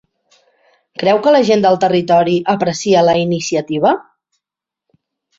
Creu que la gent del territori aprecia la iniciativa?